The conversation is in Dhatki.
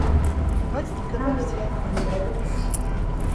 منان بي تين ساملي ڏاڍي خوشي ٿي.